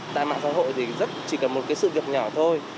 tại mạng xã hội thì chỉ cần một cái sự việc nhỏ thôi